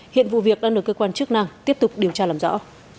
hiện vụ việc đang được cơ quan chức năng tiếp tục điều tra làm rõ